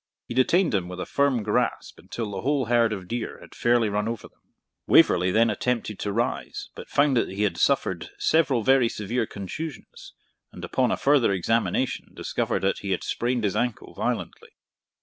He detained him with a firm grasp until the whole herd of deer had fairly run over them. Waverley then attempted to rise, but found that he had suffered several very severe contusions, and, upon a further examination, discovered that he had sprained his ankle violently.